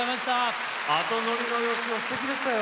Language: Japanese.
後ノリの芳雄すてきでしたよ！